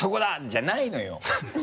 じゃないのよ。